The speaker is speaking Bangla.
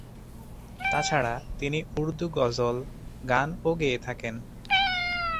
তাছাড়া, তিনি উর্দু গজল গান ও গেয়ে থাকেন।